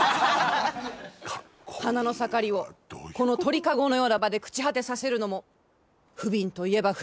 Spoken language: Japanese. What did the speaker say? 花の盛りをこの鳥かごのような場で朽ち果てさせるのもふびんといえばふ